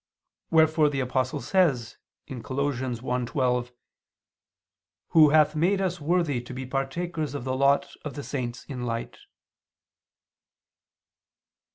Wherefore the Apostle says (Col. 1:12): "Who hath made us worthy to be partakers of the lot of the saints in light."